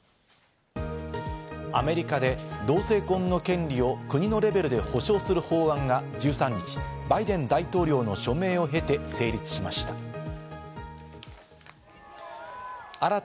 アメリカで同性婚の権利を国のレベルで保障する法案が１３日、バイデン大統領の署名を経て成立しました。